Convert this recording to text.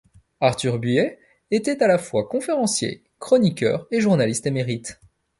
Arthur Buies était à la fois conférencier, chroniqueur et journaliste émérite.